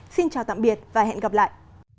xin chào tạm biệt và hẹn gặp lại